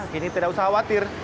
kini tidak usah khawatir